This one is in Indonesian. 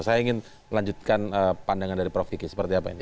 saya ingin melanjutkan pandangan dari prof kiki seperti apa ini